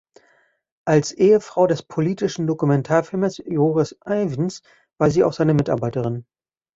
Als Ehefrau des politischen Dokumentarfilmers Joris Ivens war sie auch seine Mitarbeiterin.